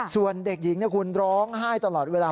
ส่วนเด็กหญิงคุณร้องไห้ตลอดเวลา